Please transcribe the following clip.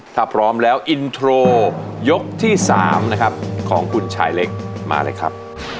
ถ้าพร้อมแล้วอินโทรยกที่๓นะครับของคุณชายเล็กมาเลยครับ